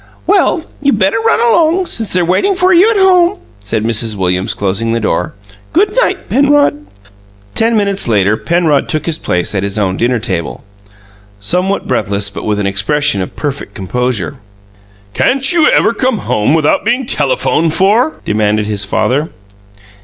"Well, you'd better run along, since they're waiting for you at home," said Mrs. Williams, closing the door. "Good night, Penrod." ... Ten minutes later Penrod took his place at his own dinner table, somewhat breathless but with an expression of perfect composure. "Can't you EVER come home without being telephoned for?" demanded his father.